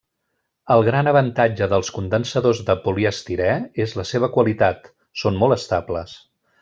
El gran avantatge dels condensadors de poliestirè és la seva qualitat, són molt estables.